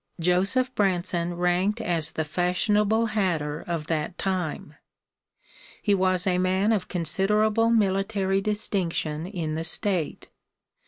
Joseph Branson ranked as the fashionable hatter of that time. He was a man of considerable military distinction in the State.